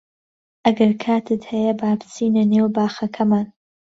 ئەگەر کاتت هەیە با بچینە نێو باخەکەمان.